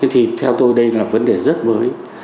thì theo tôi đây là vấn đề rất mới